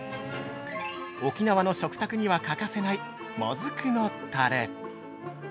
◆沖縄の食卓には欠かせない「もずくのたれ」。